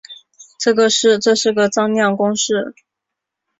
这是个张量公式。